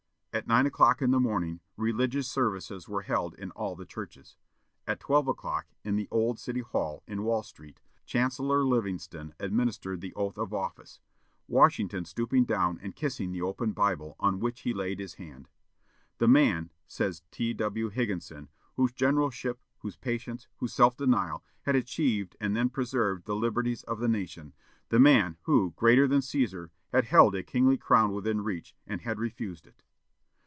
At nine o'clock in the morning, religious services were held in all the churches. At twelve, in the old City Hall, in Wall Street, Chancellor Livingston administered the oath of office, Washington stooping down and kissing the open Bible, on which he laid his hand; "the man," says T. W. Higginson, "whose generalship, whose patience, whose self denial, had achieved and then preserved the liberties of the nation; the man who, greater than Cæsar, had held a kingly crown within reach, and had refused it."